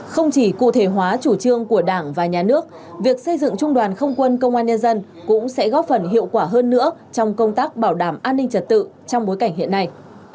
không chỉ cụ thể hóa chủ trương của đảng và nhà nước việc xây dựng trung đoàn không quân công an nhân dân cũng sẽ góp phần hiệu quả hơn nữa trong công tác bảo đảm an ninh trật tự trong bối cảnh hiện nay